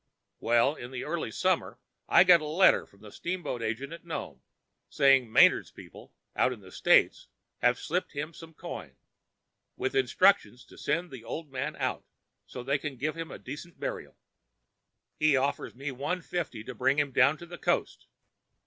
"Well, in the early summer I get a letter from the steamboat agent at Nome saying Manard's people out in the States have slipped him some coin, with instructions to send the old man out so they can give him decent burial. He offers me one fifty to bring him down to the coast.